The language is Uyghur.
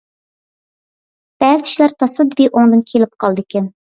بەزى ئىشلار تاسادىپىي ئوڭدىن كېلىپ قالىدىكەن.